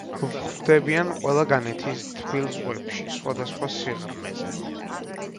გვხვდებიან ყველა განედის თბილ ზღვებში, სხვადასხვა სიღრმეზე.